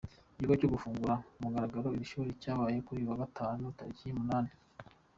Igikorwa cyo gufungura ku mugaragaro iri shuri cyabaye kuri uyu wa Gatanu tariki umunane.